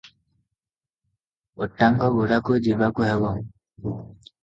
ଅଟାଙ୍ଗଗୁଡାକୁ ଯିବାକୁ ହେବ ।